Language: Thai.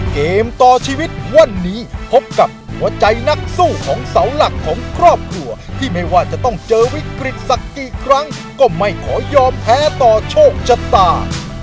เกมต่อชีวิตวันนี้พบกับหัวใจนักสู้ของเสาหลักของครอบครัวที่ไม่ว่าจะต้องเจอวิกฤตสักกี่ครั้งก็ไม่ขอยอมแพ้ต่อโชคชะตา